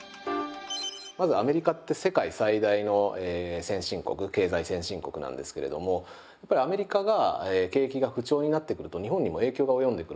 まずアメリカって世界最大の先進国経済先進国なんですけれどもやっぱりアメリカが景気が不調になってくると日本にも影響が及んでくるんですね。